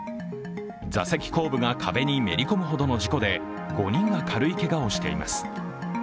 座席後部が壁にめり込むほどの事故で、５人が軽いけがをしています。